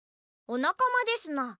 おなかまですな。